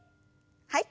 はい。